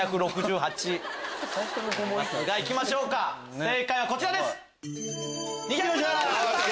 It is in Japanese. いきましょうか正解はこちらです！